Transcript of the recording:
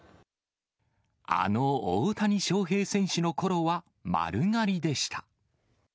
あの大谷翔平選手のころは丸刈りでした。